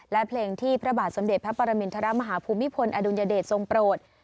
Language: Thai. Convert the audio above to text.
และเพลงที่พระบาทสมเด็จพระปรมินทรมาฮภูมิพลอดุลยเดชทรงโปรด